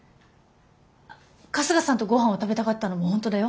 春日さんとごはんを食べたかったのも本当だよ！